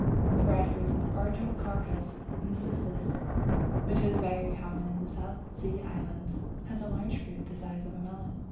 The Breadfruit (Artocarpus incisus), which is very common in the South Sea Islands, has a large fruit the size of a melon.